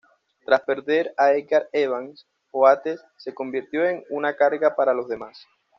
Tras perder a Edgar Evans, Oates se convirtió en una carga para los demás.